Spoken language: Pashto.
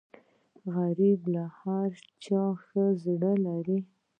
غریب له هر چا ښه زړه لري